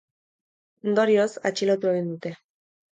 Ondorioz, atxilotu egin dute.